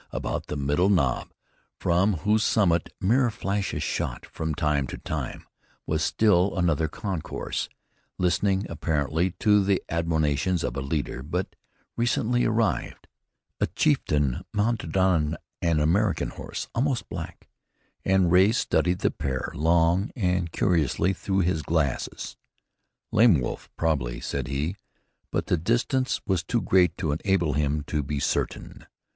About the middle knob, from whose summit mirror flashes shot from time to time, was still another concourse, listening, apparently, to the admonitions of a leader but recently arrived, a chieftain mounted on an American horse, almost black, and Ray studied the pair long and curiously through his glasses. "Lame Wolf, probably," said he, but the distance was too great to enable him to be certain.